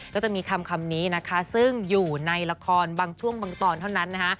ก็จะมีคำนี้นะคะซึ่งอยู่ในละครบางช่วงบางตอนเท่านั้นนะคะ